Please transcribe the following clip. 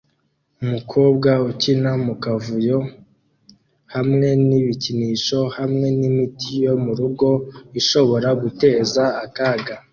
Umukobwa ukina mu kavuyo hamwe n ibikinisho hamwe n’imiti yo mu rugo ishobora guteza akaga